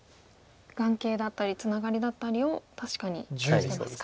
眼形だったりツナガリだったりを確かにしてますか。